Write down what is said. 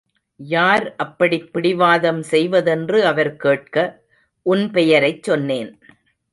யார் அப்படிப் பிடிவாதம் செய்வதென்று அவர் கேட்க, உன் பெயரைச் சொன்னேன்.